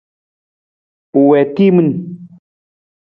U wii timin.